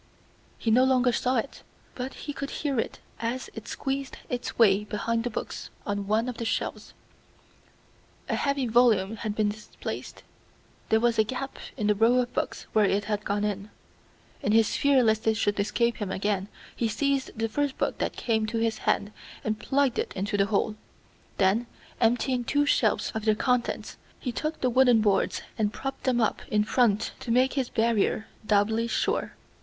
He no longer saw it, but he could hear it as it squeezed its way behind the books on one of the shelves. A heavy volume had been displaced. There was a gap in the row of books where it had got in. In his fear lest it should escape him again, he seized the first book that came to his hand and plugged it into the hole. Then, emptying two shelves of their contents, he took the wooden boards and propped them up in front to make his barrier doubly sure.